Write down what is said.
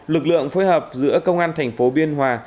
lực lượng phối hợp giữa công an thành phố biên hòa